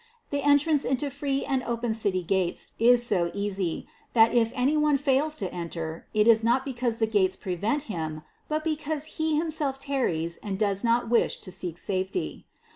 The entrance into free and open city gates is so easy, that if any one fails to enter, it is not because the gates prevent him, but because he himself tarries and does not wish to seek safety.